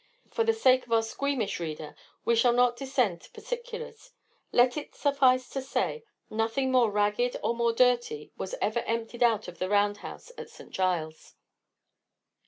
For the sake of our squeamish reader, we shall not descend to particulars; let it suffice to say, nothing more ragged or more dirty was ever emptied out of the round house at St Giles's.